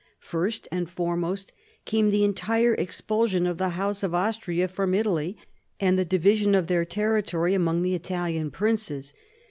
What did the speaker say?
First and foremost came the entire expulsion of the House of Austria from Italy, and the division of their territory among the Italian princes.